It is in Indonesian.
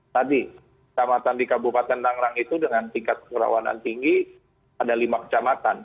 tadi kecamatan di kabupaten tangerang itu dengan tingkat kerawanan tinggi ada lima kecamatan